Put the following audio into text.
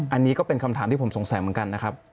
อันนี้ก็เป็นคำถามที่ผมสงสัยเหมือนกันนะครับ